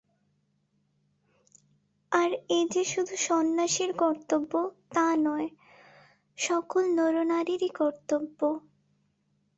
আর এ যে শুধু সন্ন্যাসীর কর্তব্য তা নয়, সকল নর-নারীরই কর্তব্য।